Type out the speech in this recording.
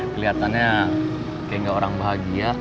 kelihatannya kayak gak orang bahagia